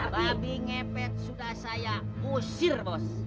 babi ngepet sudah saya usir bos